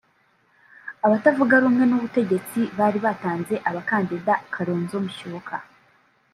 Abatavuga rumwe n’ubutegetsi bari batanze abakandida Kalonzo Musyoka